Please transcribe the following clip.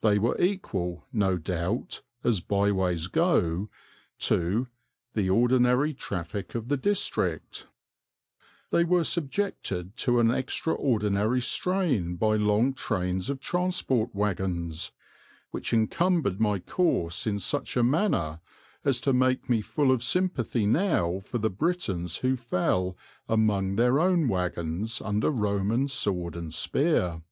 They were equal, no doubt, as byways go, to "the ordinary traffic of the district"; they were subjected to an extraordinary strain by long trains of transport wagons, which encumbered my course in such a manner as to make me full of sympathy now for the Britons who fell among their own wagons under Roman sword and spear.